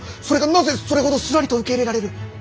それがなぜそれほどすらりと受け入れられる？